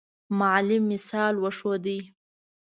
معلم مثال وښود.